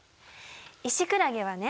イシクラゲはね